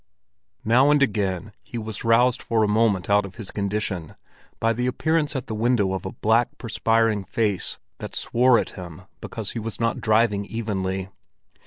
Now and again he was roused for a moment out of his condition by the appearance at the window of a black, perspiring face, that swore at him because he was not driving evenly.